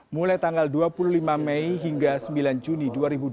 mulai tanggal dua puluh lima mei hingga sembilan juni dua ribu dua puluh